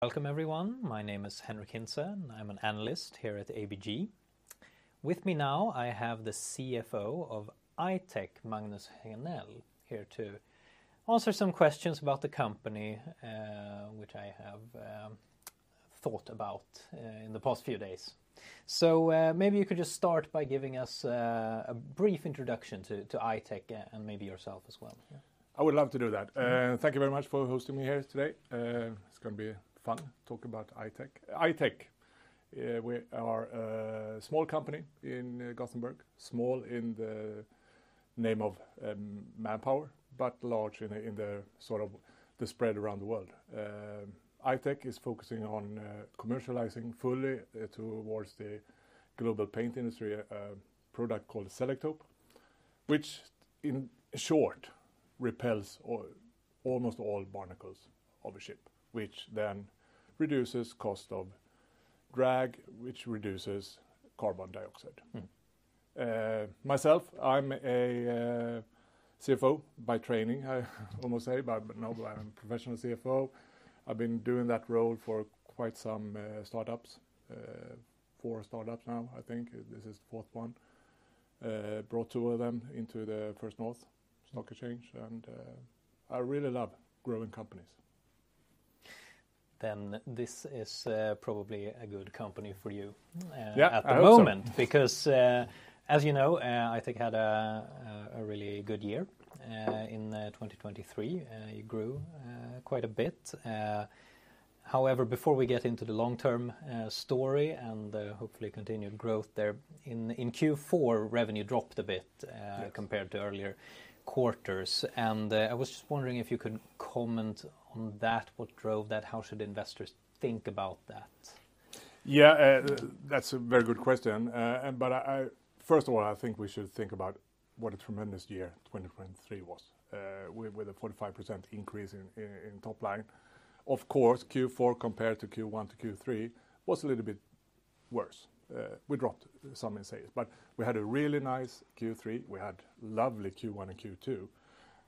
Welcome, everyone. My name is Henric Hintze, and I'm an analyst here at ABG. With me now, I have the CFO of I-Tech, Magnus Henell, here to answer some questions about the company, which I have thought about in the past few days. So maybe you could just start by giving us a brief introduction to I-Tech and maybe yourself as well. I would love to do that. Thank you very much for hosting me here today. It's going to be fun talking about I-Tech. I-Tech, we are a small company in Gothenburg, small in the name of manpower, but large in the sort of the spread around the world. I-Tech is focusing on commercializing fully towards the global paint industry a product called Selektope, which in short repels almost all barnacles of a ship, which then reduces cost of drag, which reduces carbon dioxide. Myself, I'm a CFO by training, I almost say, but no, I'm a professional CFO. I've been doing that role for quite some startups, four startups now, I think. This is the fourth one. Brought two of them into the First North Stock Exchange, and I really love growing companies. Then this is probably a good company for you at the moment, because as you know, I-Tech had a really good year in 2023. You grew quite a bit. However, before we get into the long-term story and hopefully continued growth there, in Q4, revenue dropped a bit compared to earlier quarters. And I was just wondering if you could comment on that, what drove that, how should investors think about that? Yeah, that's a very good question, but first of all, I think we should think about what a tremendous year 2023 was, with a 45% increase in top line. Of course, Q4 compared to Q1 to Q3 was a little bit worse. We dropped some in sales, but we had a really nice Q3. We had lovely Q1 and Q2,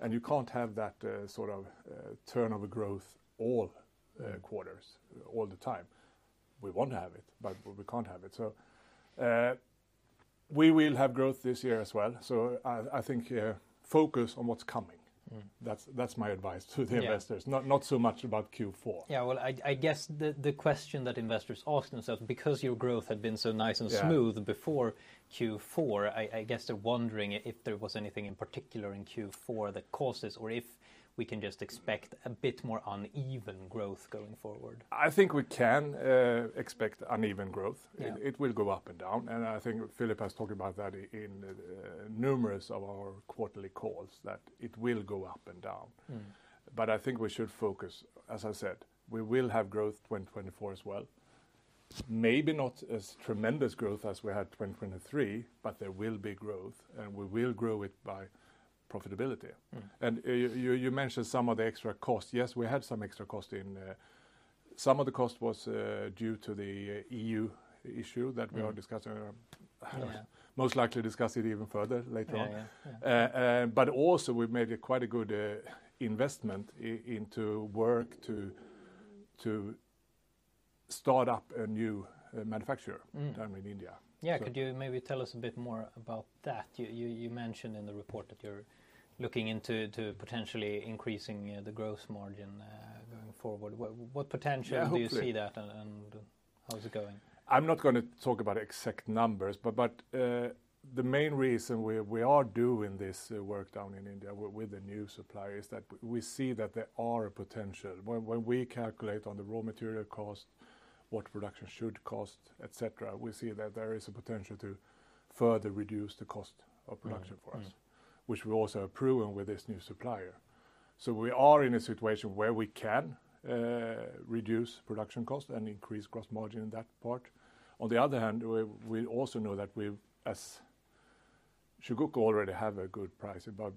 and you can't have that sort of turnover growth all quarters, all the time. We want to have it, but we can't have it. So we will have growth this year as well, so I think focus on what's coming. That's my advice to the investors, not so much about Q4. Yeah, well, I guess the question that investors ask themselves, because your growth had been so nice and smooth before Q4, I guess they're wondering if there was anything in particular in Q4 that caused this, or if we can just expect a bit more uneven growth going forward? I think we can expect uneven growth. It will go up and down, and I think Philip has talked about that in numerous of our quarterly calls, that it will go up and down. But I think we should focus, as I said, we will have growth 2024 as well. Maybe not as tremendous growth as we had 2023, but there will be growth, and we will grow it by profitability, and you mentioned some of the extra cost. Yes, we had some extra cost in. Some of the cost was due to the EU issue that we are discussing, most likely discussing even further later on, but also, we've made quite a good investment into work to start up a new manufacturer down in India. Yeah, could you maybe tell us a bit more about that? You mentioned in the report that you're looking into potentially increasing the gross margin going forward. What potential do you see that, and how is it going? I'm not going to talk about exact numbers, but the main reason we are doing this work down in India with the new supplier is that we see that there are potential. When we calculate on the raw material cost, what production should cost, et cetera, we see that there is a potential to further reduce the cost of production for us, which we also have proven with this new supplier. So we are in a situation where we can reduce production cost and increase gross margin in that part. On the other hand, we also know that we as Chugoku already have a good price, but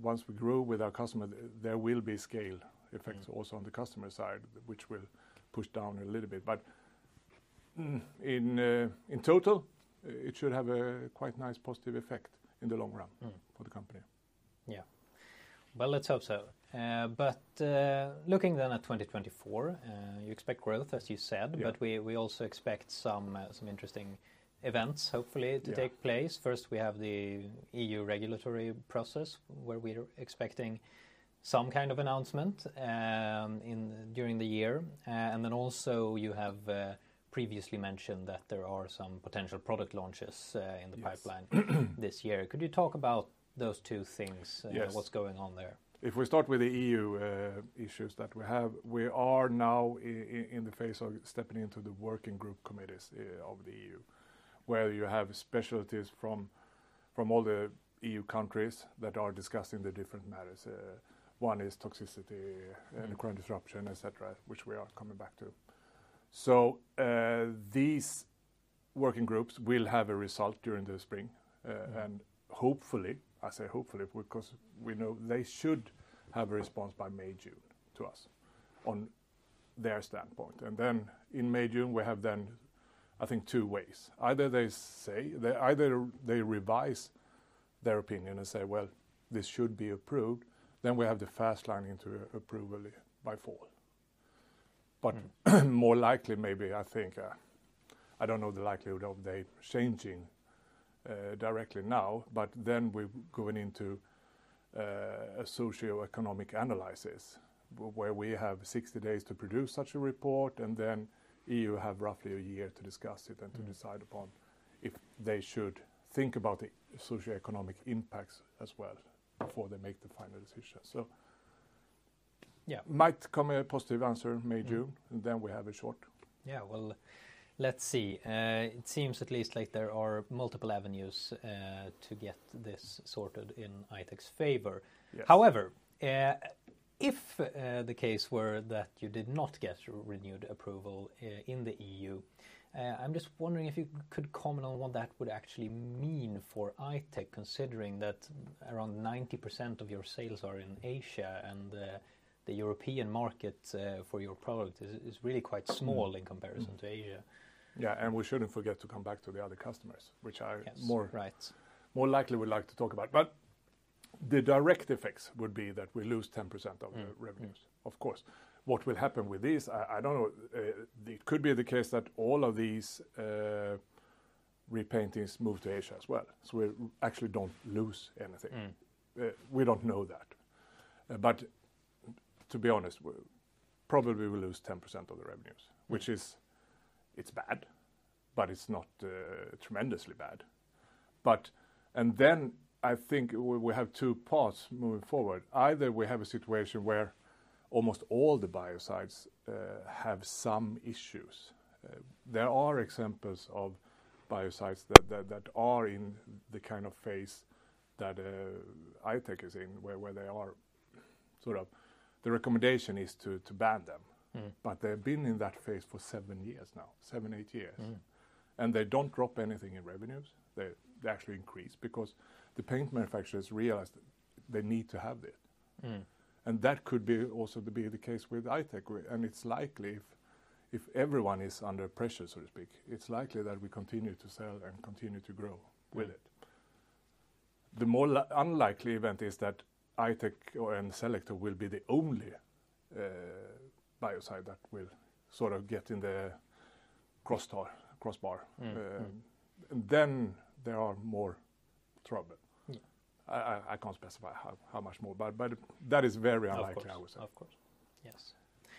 once we grow with our customers, there will be scale effects also on the customer side, which will push down a little bit. But in total, it should have a quite nice positive effect in the long run for the company. Yeah, well, let's hope so. But looking then at 2024, you expect growth, as you said, but we also expect some interesting events, hopefully, to take place. First, we have the EU regulatory process where we're expecting some kind of announcement during the year. And then also, you have previously mention that there are some potential product launches in the pipeline this year, could you talk about those two things, what's going on there? If we start with the EU issues that we have, we are now in the phase of stepping into the working group committees of the EU, where you have specialists from all the EU countries that are discussing the different matters. One is toxicity and the current discussion, et cetera, which we are coming back to, so these working groups will have a result during the spring, and hopefully, I say hopefully, because we know they should have a response by May, June to us on their standpoint, and then in May, June, we have then, I think, two ways. Either they say, either they revise their opinion and say, well, this should be approved, then we have the fast line into approval by fall. But more likely, maybe, I think, I don't know the likelihood of they changing directly now, but then we're going into a socioeconomic analysis, where we have 60 days to produce such a report, and then EU have roughly a year to discuss it and to decide upon if they should think about the socioeconomic impacts as well before they make the final decision. So it might come a positive answer May, June, and then we have a short. Yeah, well, let's see. It seems at least like there are multiple avenues to get this sorted in I-Tech's favor. However, if the case were that you did not get renewed approval in the EU, I'm just wondering if you could comment on what that would actually mean for I-Tech, considering that around 90% of your sales are in Asia and the European market for your product is really quite small in comparison to Asia? Yeah, and we shouldn't forget to come back to the other customers, which are more likely we'd like to talk about. But the direct effects would be that we lose 10% of the revenues, of course. What will happen with these? I don't know. It could be the case that all of these repaintings move to Asia as well. So we actually don't lose anything. We don't know that. But to be honest, probably we lose 10% of the revenues, which is, it's bad, but it's not tremendously bad. Then I think we have two paths moving forward. Either we have a situation where almost all the biocides have some issues. There are examples of biocides that are in the kind of phase that I-Tech is in, where they are sort of, the recommendation is to ban them. But they've been in that phase for seven years now, seven, eight years. And they don't drop anything in revenues. They actually increase because the paint manufacturers realize they need to have it. And that could also be the case with I-Tech. And it's likely if everyone is under pressure, so to speak, it's likely that we continue to sell and continue to grow with it. The more unlikely event is that I-Tech and Selektope will be the only biocide that will sort of get in the crossbar. Then there are more trouble. I can't specify how much more, but that is very unlikely, I would say. Of course. Yes.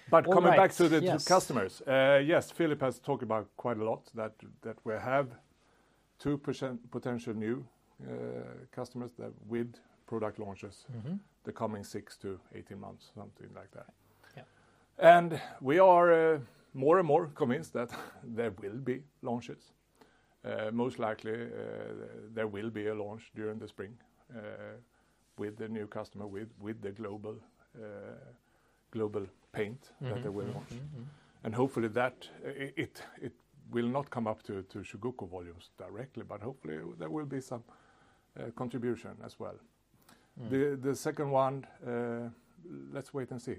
But coming back to the customers, yes, Philip has talked about quite a lot that we have two potential new customers with product launches the coming six to 18 months, something like that. And we are more and more convinced that there will be launches. Most likely, there will be a launch during the spring with the new customer, with the global paint that they will launch. And hopefully, that it will not come up to Shikoku volumes directly, but hopefully, there will be some contribution as well. The second one, let's wait and see.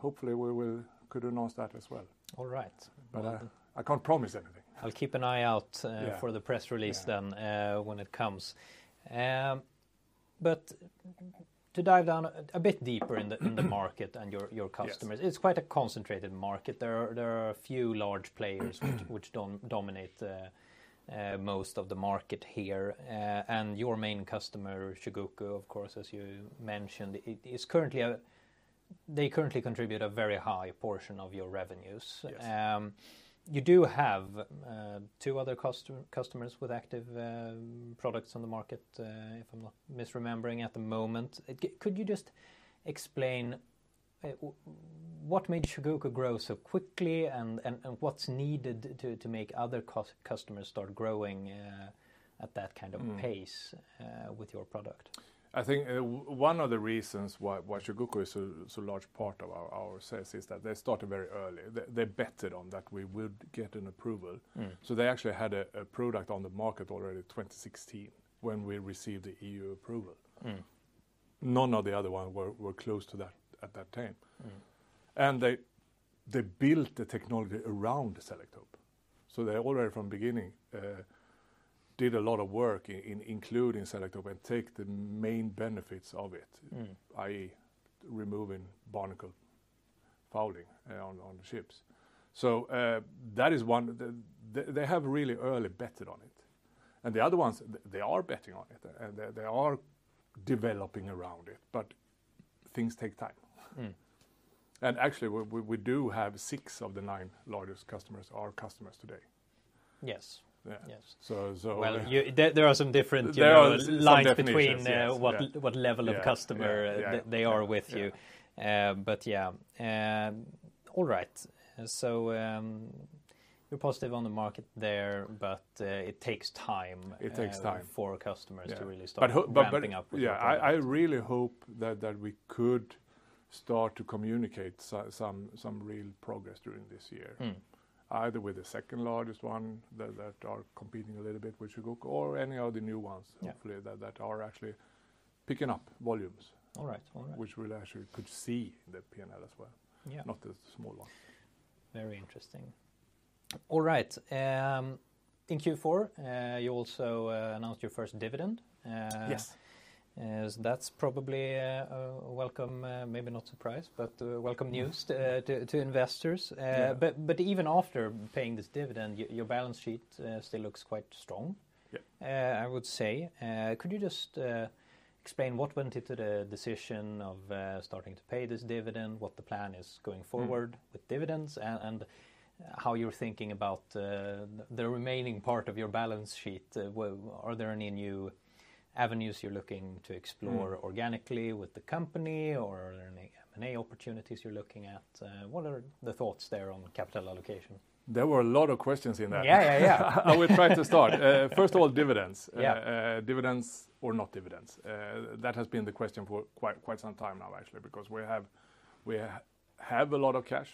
Hopefully, we could announce that as well. All right. But I can't promise anything. I'll keep an eye out for the press release then when it comes, but to dive down a bit deeper in the market and your customers, it's quite a concentrated market. There are a few large players which dominate most of the market here, and your main customer, Shikoku, of course, as you mentioned, they currently contribute a very high portion of your revenues. You do have two other customers with active products on the market, if I'm not misremembering, at the moment. Could you just explain what made Shikoku grow so quickly and what's needed to make other customers start growing at that kind of pace with your product? I think one of the reasons why Shikoku is such a large part of our sales is that they started very early. They bet on that we would get an approval, so they actually had a product on the market already in 2016 when we received the EU approval. None of the other ones were close to that at that time, and they built the technology around Selektope, so they already from the beginning did a lot of work in including Selektope and take the main benefits of it, i.e., removing barnacle fouling on the ships. So that is one, they have really early betted on it, and the other ones, they are betting on it, and they are developing around it, but things take time, and actually, we do have six of the nine largest customers are customers today. Yes. There are some different lines between what level of customer they are with you. But yeah. All right. You are positive on the market there, but it takes time. It takes time. For customers to really start picking up with you. Yeah, I really hope that we could start to communicate some real progress during this year, either with the second largest one that are competing a little bit with Shikoku or any of the new ones, hopefully, that are actually picking up volumes, which we actually could see in the P&L as well, not the small ones. Very interesting. All right. In Q4, you also announced your first dividend. Yes. That's probably a welcome, maybe not surprise, but welcome news to investors. But even after paying this dividend, your balance sheet still looks quite strong, I would say. Could you just explain what went into the decision of starting to pay this dividend, what the plan is going forward with dividends, and how you're thinking about the remaining part of your balance sheet? Are there any new avenues you're looking to explore organically with the company, or are there any M&A opportunities you're looking at? What are the thoughts there on capital allocation? There were a lot of questions in that. Yeah, yeah, yeah. I will try to start. First of all, dividends. Dividends or not dividends. That has been the question for quite some time now, actually, because we have a lot of cash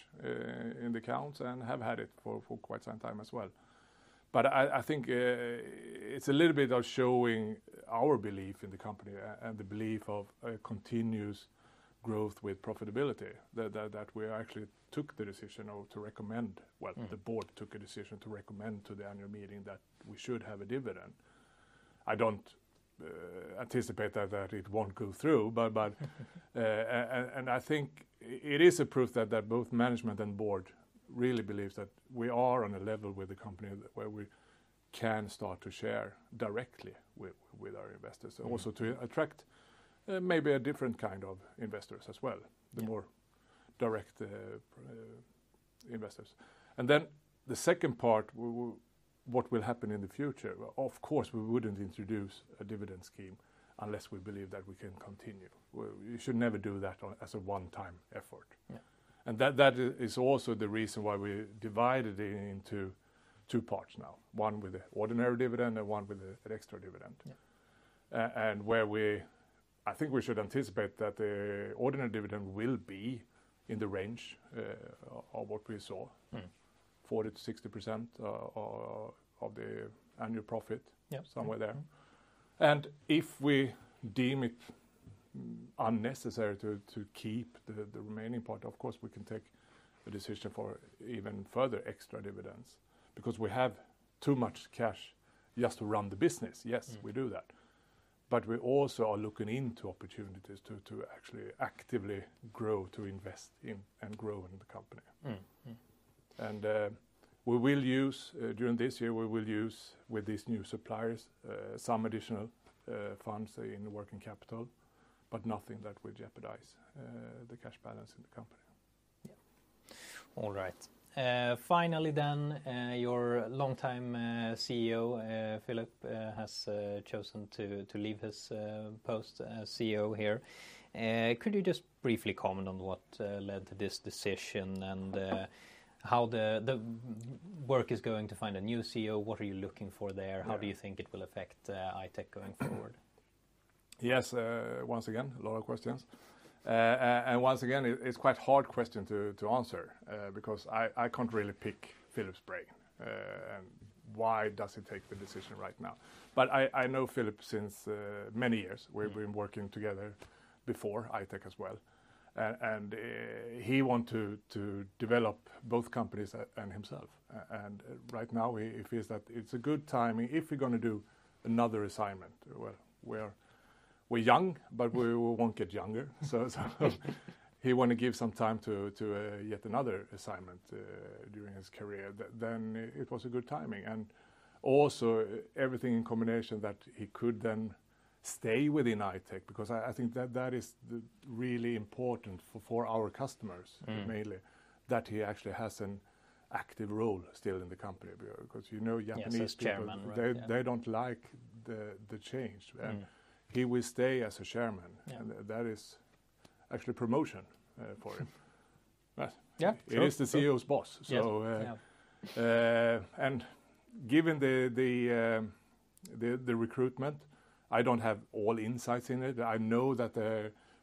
in the accounts and have had it for quite some time as well. But I think it's a little bit of showing our belief in the company and the belief of continuous growth with profitability that we actually took the decision to recommend, well, the board took a decision to recommend to the annual meeting that we should have a dividend. I don't anticipate that it won't go through, but I think it is a proof that both management and board really believe that we are on a level with the company where we can start to share directly with our investors, also to attract maybe a different kind of investors as well, the more direct investors. And then the second part, what will happen in the future, of course, we wouldn't introduce a dividend scheme unless we believe that we can continue. We should never do that as a one-time effort. And that is also the reason why we divided it into two parts now, one with the ordinary dividend and one with the extra dividend. And where I think we should anticipate that the ordinary dividend will be in the range of what we saw, 40%-60% of the annual profit, somewhere there. And if we deem it unnecessary to keep the remaining part, of course, we can take a decision for even further extra dividends because we have too much cash just to run the business. Yes, we do that. But we also are looking into opportunities to actually actively grow, to invest in and grow in the company. We will use, during this year, with these new suppliers some additional funds in working capital, but nothing that would jeopardize the cash balance in the company. Yeah. All right. Finally then, your longtime CEO, Philip, has chosen to leave his post as CEO here. Could you just briefly comment on what led to this decision and how the work is going to find a new CEO? What are you looking for there? How do you think it will affect I-Tech going forward? Yes, once again, a lot of questions. And once again, it's quite a hard question to answer because I can't really pick Philip's brain. Why does he take the decision right now? But I know Philip since many years. We've been working together before I-Tech as well. And he wanted to develop both companies and himself. And right now, it feels that it's a good time. If we're going to do another assignment, well, we're young, but we won't get younger. So he wanted to give some time to yet another assignment during his career. Then it was a good timing. And also everything in combination that he could then stay within I-Tech because I think that is really important for our customers, mainly, that he actually has an active role still in the company because you know Japanese chairmen. They don't like the change. And he will stay as a chairman. That is actually promotion for him. It is the CEO's boss. And given the recruitment, I don't have all insights into it. I know that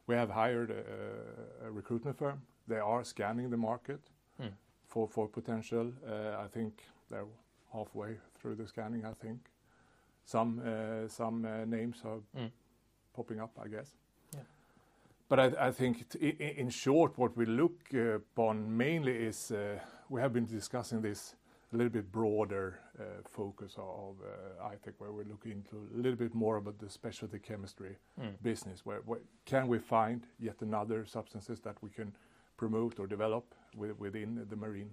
we have hired a recruitment firm. They are scanning the market for potential. I think they're halfway through the scanning, I think. Some names are popping up, I guess. But I think in short, what we look upon mainly is we have been discussing this a little bit broader focus of I-Tech, where we're looking into a little bit more about the specialty chemistry business. Can we find yet another substance that we can promote or develop within the marine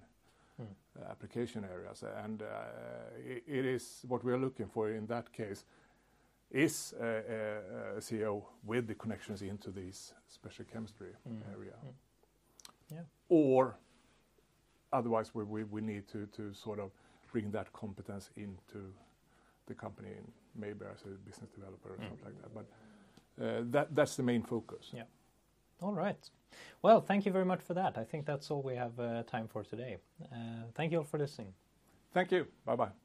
application areas? And it is what we are looking for in that case is a CEO with the connections into this specialty chemistry area. Or otherwise, we need to sort of bring that competence into the company and maybe as a business developer or something like that. But that's the main focus. Yeah. All right. Well, thank you very much for that. I think that's all we have time for today. Thank you all for listening. Thank you. Bye-bye.